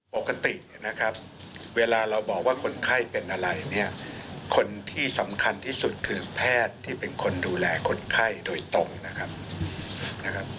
ปกติเนี่ยนะครับเวลาเราบอกว่าคนไข้เป็นอะไรเนี่ยคนที่สำคัญที่สุดคือแพทย์ที่เป็นคนดูแลคนไข้โดยตรงนะครับ